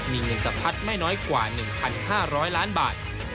มีเงินสะพัดไม่น้อยกว่า๑๕๐๐ล้านบาท